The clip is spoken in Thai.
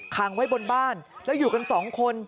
ขังไว้บนบ้านแล้วอยู่กันสองคน